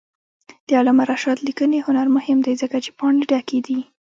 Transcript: د علامه رشاد لیکنی هنر مهم دی ځکه چې پاڼې ډکې دي.